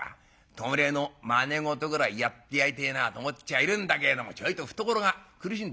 弔いのまね事ぐらいやってやりてえなと思っちゃいるんだけれどもちょいと懐が苦しいんでい。